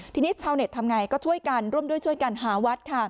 ทีนี้ชาวเน็ตทำยังไงก็ร่วมด้วยช่วยกันหาวัด